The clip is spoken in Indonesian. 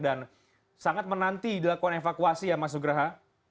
dan sangat menanti dilakukan evakuasi ya mas nugraha